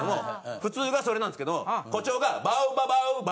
普通がそれなんですけど誇張がばう